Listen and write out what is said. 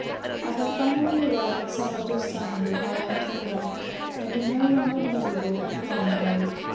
I have finally arrived at some understanding of my own temperament, and am no longer miserable and melancholy.